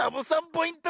ポイント